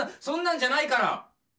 そんなんじゃないから！